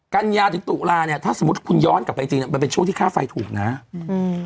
กัญญาถึงเกลาเอลถ้าสมมุติคุณที่ย้อนกลับไปกันเป็นปั้งที่ค่าไฟถูกเนี่ย